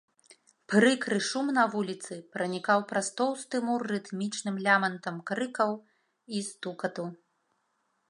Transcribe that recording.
Прыкры шум на вуліцы пранікаў праз тоўсты мур рытмічным лямантам крыкаў і стукату.